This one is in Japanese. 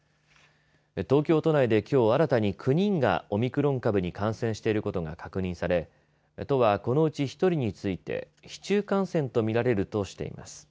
東京都内で、きょう新たに９人がオミクロン株に感染していることが確認され都は、このうち１人について市中感染とみられるとしています。